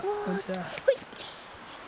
はい！